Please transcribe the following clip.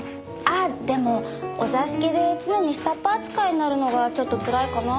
あっでもお座敷で常に下っ端扱いになるのがちょっとつらいかな。